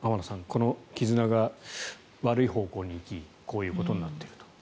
この絆が悪い方向に行きこういうことになっていると。